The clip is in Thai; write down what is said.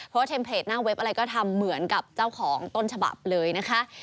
เพราะว่าเทมเพจหน้าเว็บอะไรก็ทำเหมือนกับเจ้าของต้นฉบับเลยนะคะ